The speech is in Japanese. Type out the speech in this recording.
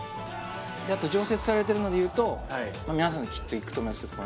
あと常設されてるので言うと皆さんきっと行くと思いますけどＲＦ